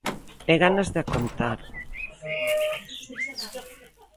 E ganas de a contar.